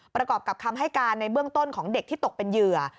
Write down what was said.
ประกอบกับคำให้การในเบื้องต้นของเด็กที่ตกเป็นเหยื่อ